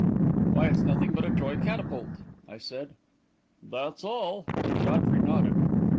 "Why, it's nothing but a toy catapult!" I said. "That's all," and Godfrey nodded.